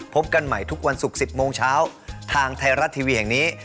พบกันใหม่ทุกวันศุกร์๑๐โมงเช้าทางไทยรัฐทีวีแห่งนี้